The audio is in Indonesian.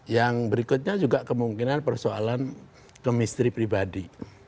yang berikutnya juga kemungkinan persoalan kemistri pribadi